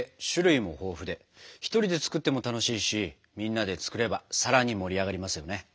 １人で作っても楽しいしみんなで作ればさらに盛り上がりますよね。